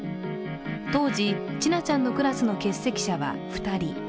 当時、千奈ちゃんのクラスの欠席者は２人。